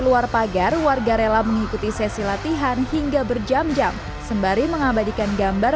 luar pagar warga rela mengikuti sesi latihan hingga berjam jam sembari mengabadikan gambar